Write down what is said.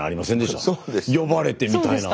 呼ばれてみたいな。